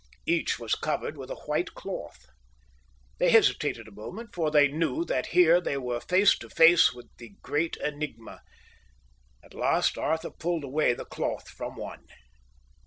Each was covered with a white cloth. They hesitated a moment, for they knew that here they were face to face with the great enigma. At last Arthur pulled away the cloth from one.